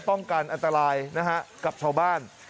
ป้องกันอันตรายนะฮะกับชาวบ้าน